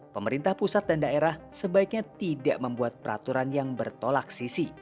pemerintah pusat dan daerah sebaiknya tidak membuat peraturan yang bertolak sisi